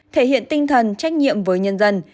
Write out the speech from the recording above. thể hiện tinh thần trách nhiệm với nhân dân